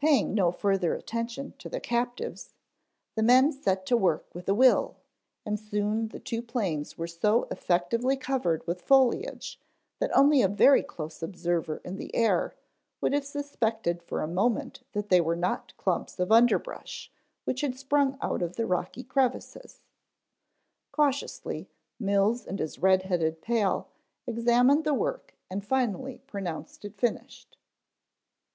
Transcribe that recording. Paying no further attention to their captives, the men set to work with a will and soon the two planes were so effectively covered with foliage that only a very close observer in the air would have suspected for a moment that they were not clumps of underbrush which had sprung out of the rocky crevices. Cautiously Mills and his red headed pal examined the work and finally pronounced it finished.